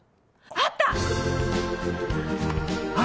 あった！